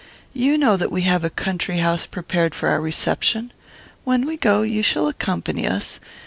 You know that we have a country house prepared for our reception. When we go, you shall accompany us.